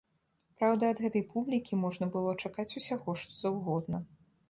Праўда, ад гэтай публікі можна было чакаць усяго што заўгодна.